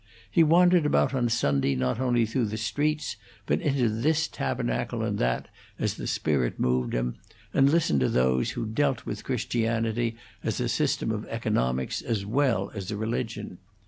He wandered about on Sunday not only through the streets, but into this tabernacle and that, as the spirit moved him, and listened to those who dealt with Christianity as a system of economics as well as a religion.